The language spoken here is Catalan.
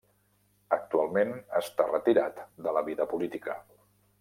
Actualment està retirat de la vida política.